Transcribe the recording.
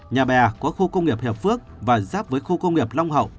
nhà bè có khu công nghiệp hiệp phước và giáp với khu công nghiệp long hậu